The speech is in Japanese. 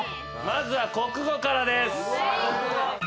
まずは国語からです。